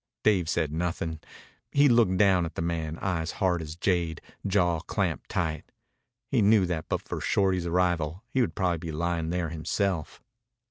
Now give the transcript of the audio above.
Dave said nothing. He looked down at the man, eyes hard as jade, jaw clamped tight. He knew that but for Shorty's arrival he would probably be lying there himself.